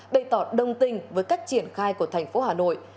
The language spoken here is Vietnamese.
bày tỏ đồng tình với cách triển khai của thành phố hà nội